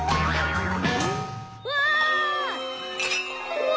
うわ！